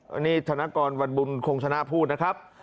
อันนี้ธนกรวันบุญคงชนะพูดนะครับ